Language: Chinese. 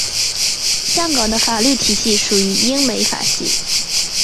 香港的法律体系属于英美法系。